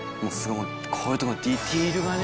こういう所ディテールがね